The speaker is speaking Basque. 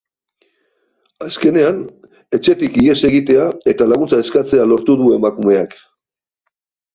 Azkenean, etxetik ihes egitea eta laguntza eskatzea lortu du emakumeak.